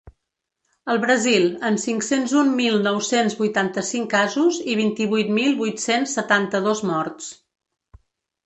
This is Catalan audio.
El Brasil, amb cinc-cents un mil nou-cents vuitanta-cinc casos i vint-i-vuit mil vuit-cents setanta-dos morts.